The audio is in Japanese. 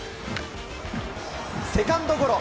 セカンドゴロ。